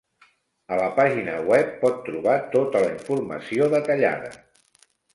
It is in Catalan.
A la pàgina web pot trobar tota la informació detallada.